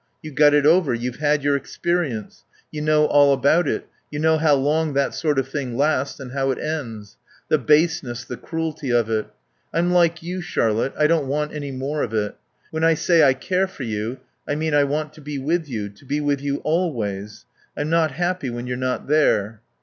You got it over; you've had your experience; you know all about it; you know how long that sort of thing lasts and how it ends. The baseness, the cruelty of it ... I'm like you, Charlotte, I don't want any more of it.... When I say I care for you I mean I want to be with you, to be with you always. I'm not happy when you're not there....